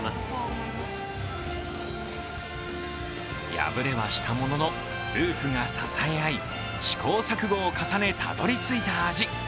敗れはしたものの夫婦が支え合い試行錯誤を重ね、たどり着いた味。